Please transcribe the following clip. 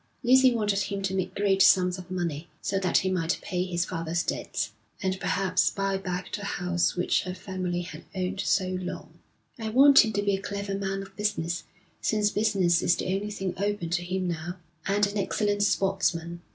Lucy wanted him to make great sums of money, so that he might pay his father's debts, and perhaps buy back the house which her family had owned so long. 'I want him to be a clever man of business since business is the only thing open to him now and an excellent sportsman.'